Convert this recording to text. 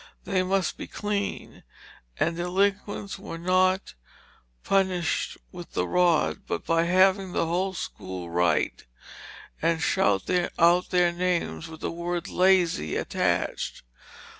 They must be clean; and delinquents were not punished with the rod, but by having the whole school write and shout out their names with the word "lazy" attached.